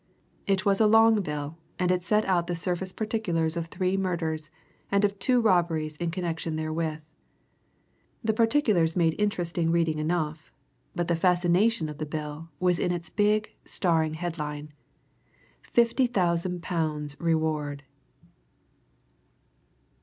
It was a long bill, and it set out the surface particulars of three murders, and of two robberies in connection therewith. The particulars made interesting reading enough but the real fascination of the bill was in its big, staring headline FIFTY THOUSAND POUNDS REWARD.